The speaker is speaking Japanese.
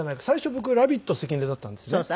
最初僕ラビット関根だったんですね。